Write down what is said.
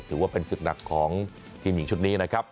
ถือว่าเป็นศึกหนักของทีมหญิงชุดนี้นะครับ